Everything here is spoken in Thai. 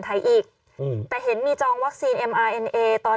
ไทยอีกอืมแต่เห็นมีจองวัคซีนเอ็มอาร์เอ็นเอตอน